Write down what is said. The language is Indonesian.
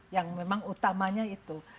yang memang utamanya itu